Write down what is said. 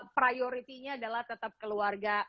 priority nya adalah tetap keluarga